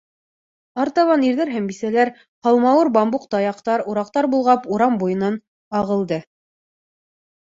Артабан ирҙәр һәм бисәләр, һалмауыр, бамбук таяҡтар, ураҡтар болғап, урам буйынан ағылды.